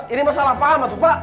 ini masalah pak ahmad pak